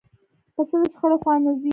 پسه د شخړې خوا نه ځي.